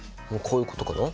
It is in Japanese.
こういうことかな？